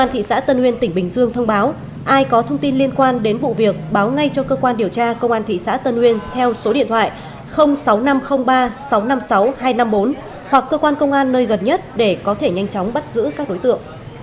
công an thị xã tân nguyên tỉnh bình dương thông báo ai có thông tin liên quan đến vụ việc báo ngay cho cơ quan điều tra công an thị xã tân uyên theo số điện thoại sáu nghìn năm trăm linh ba sáu trăm năm mươi sáu hai trăm năm mươi bốn hoặc cơ quan công an nơi gần nhất để có thể nhanh chóng bắt giữ các đối tượng